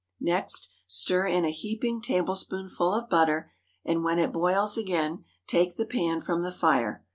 Next stir in a heaping tablespoonful of butter, and when it boils again, take the pan from the fire.